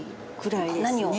何を？